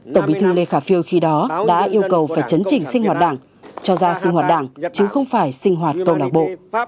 tổng bí thư lê khả phiêu khi đó đã yêu cầu phải chấn chỉnh sinh hoạt đảng cho ra sinh hoạt đảng chứ không phải sinh hoạt câu lạc bộ